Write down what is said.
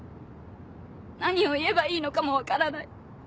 何を言えばいいのかも分からない。